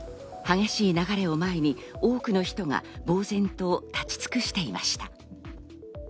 激しい流れを前に多くの人が呆然と立ち尽くしていました。